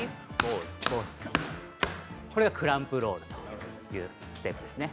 これがクランプロールというステップですね。